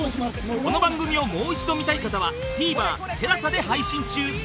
この番組をもう一度見たい方は ＴＶｅｒＴＥＬＡＳＡ で配信中